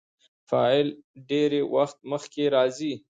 فاعل ډېرى وخت مخکي راځي.